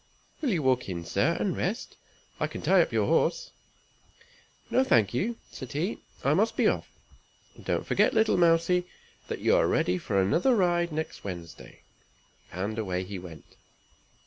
"Will you walk in, sir, and rest? I can tie up your horse." "No, thank you," said he, "I must be off. Don't forget, little mousey, that you are to ready for another ride next Wednesday." And away he went.